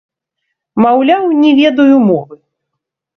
Маўляў, не ведаю мовы.